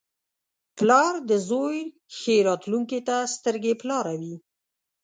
• پلار د زوی ښې راتلونکې ته سترګې په لاره وي.